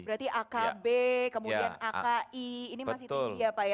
berarti akb kemudian aki ini masih tinggi ya pak ya